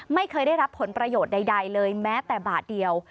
ไม่เคยได้รับผลประโยชน์ใดเลยแม้แต่บาทเดียว